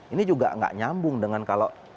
ini juga nggak nyambung dengan kalau